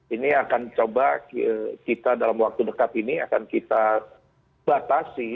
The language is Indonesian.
ini akan coba kita dalam waktu dekat ini akan kita batasi